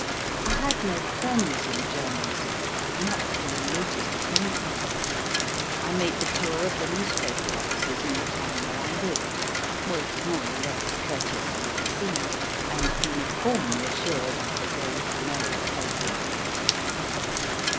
I had no friends in journalism, not the remotest acquaintance. I made the tour of the newspaper offices in the town where I lived, was more or less courteously received, and uniformly assured that there was no opening.